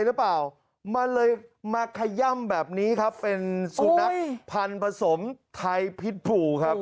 รึเปล่ามาเลยมาขย่ำแบบนี้ครับเป็นสุทธิภัณฑ์ผลผสมไทยพิษบูครับ